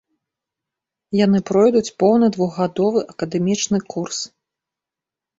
Яны пройдуць поўны двухгадовы акадэмічны курс.